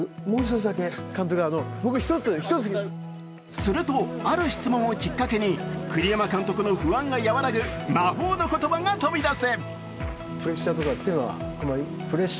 すると、ある質問をきっかけに栗山監督の不安がやわらぐ魔法の言葉が飛び出す。